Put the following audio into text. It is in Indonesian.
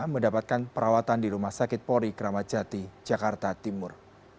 mendapatkan perawatan di rumah sakit pori keramat jati jakarta timur